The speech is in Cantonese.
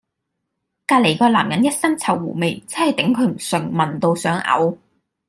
隔離嗰男人 ㄧ 身臭狐味，真係頂佢唔順，聞到想嘔